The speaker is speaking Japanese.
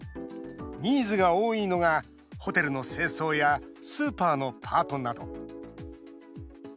ニーズが多いのがホテルの清掃やスーパーのパートなど。